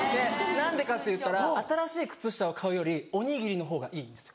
何でかといったら新しい靴下を買うよりおにぎりの方がいいんです。